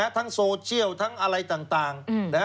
โซเชียลทั้งอะไรต่าง